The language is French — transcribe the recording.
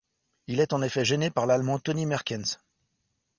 Il est en effet gêné par l'Allemand Toni Merkens.